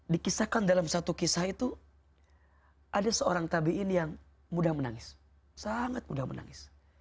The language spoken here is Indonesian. dikisahkan dalam satu kisah itu ada seorang tabiin yang mudah menangis sangat mudah menangis